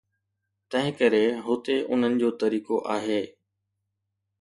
تنهنڪري هتي انهن جو طريقو آهي.